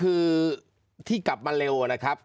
เจ้าหน้าที่แรงงานของไต้หวันบอก